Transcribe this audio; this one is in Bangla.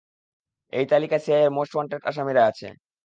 এই তালিকা সিআইএর মোস্ট ওয়ান্টেড আসামিরা আছে।